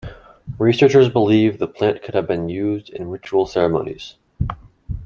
Researchers believe the plant could have been used in ritual ceremonies.